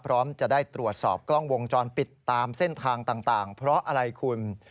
พร้อมจะได้ตรวจสอบกล้องวงจรปิดตามเส้นทางต่างเพราะอะไรคุณ